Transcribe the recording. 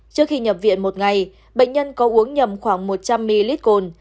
trước khi nhập viện một ngày bệnh nhân có uống nhầm khoảng một trăm linh ml